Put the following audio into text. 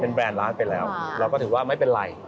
แบรนด์ร้านไปแล้วเราก็ถือว่าไม่เป็นไร